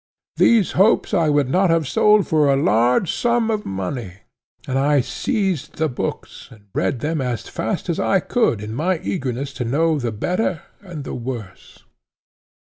These hopes I would not have sold for a large sum of money, and I seized the books and read them as fast as I could in my eagerness to know the better and the worse.